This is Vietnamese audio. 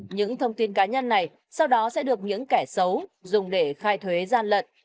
những thông tin cá nhân này sau đó sẽ được những kẻ xấu dùng để khai thuế gian lận